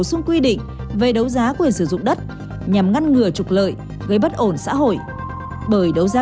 sung quy định về đấu giá quyền sử dụng đất nhằm ngăn ngừa trục lợi gây bất ổn xã hội bởi đấu giá